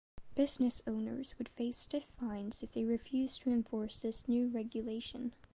Business owners would face stiff fines if they refuse to enforce this new regulation.